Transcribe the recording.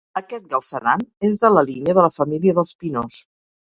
Aquest Galceran és de la línia de la família dels Pinós.